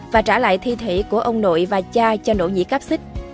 và trả lại thi thể của ông nội và cha cho nỗ nhĩ cáp xích